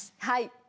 はい。